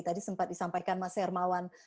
tadi sempat disampaikan mas hermawan